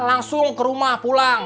langsung ke rumah pulang